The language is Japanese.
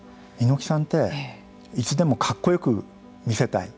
猪木さんっていつでもかっこよく見せたい。